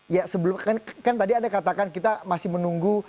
ya sebelum kan tadi anda katakan kita masih menunggu